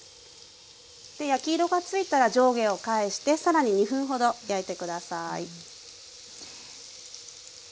焼き色が付いたら上下を返してさらに２分ほど焼いて下さい。